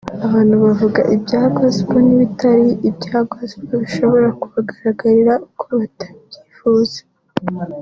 abantu bavuga ibya Gospel n’ibitari ibya Gospel bishobora kubagaragarira uko batabyifuza